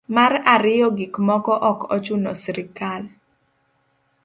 mar ariyo gik moko ok ochuno srikal